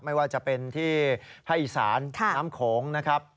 ไม่ว่าจะเป็นที่ภาคอีสานน้ำโขงนะครับ